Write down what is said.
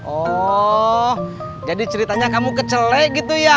oh jadi ceritanya kamu kecelek gitu ya